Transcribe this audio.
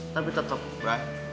tapi tetap brai